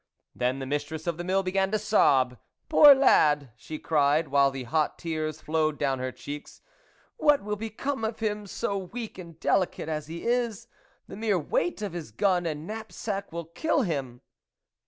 Then the mistress of the mill began to sob. " Poor lad !" she cried, while the hot tears flowed down her cheeks, " what will become of him, so weak and delicate as he is ? The mere weight of his gun and knapsack will kill him